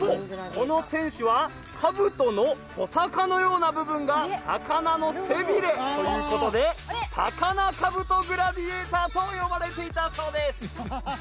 この戦士は兜のとさかのような部分が魚の背びれということで魚兜グラディエーターと呼ばれていたそうです